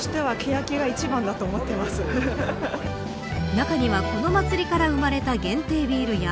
中にはこの祭りから生まれた限定ビールや